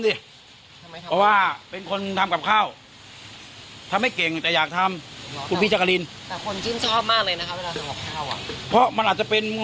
เอาล่อทำไปบ่นไป